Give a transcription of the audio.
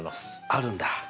あるんだ。